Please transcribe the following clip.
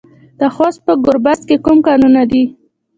د خوست په ګربز کې کوم کانونه دي؟